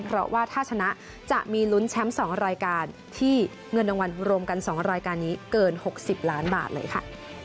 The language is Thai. เพราะว่าถ้าชนะจะมีลุ้นแชมป์๒รายการที่เงินรางวัลรวมกัน๒รายการนี้เกิน๖๐ล้านบาทเลยค่ะ